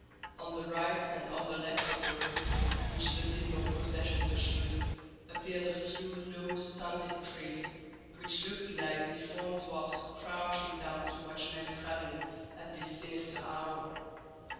On the right and on the left of the road, which the dismal procession pursued, appeared a few low, stunted trees, which looked like deformed dwarfs crouching down to watch men traveling at this sinister hour.